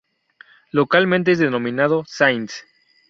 Localmente es denominado ""Saints"".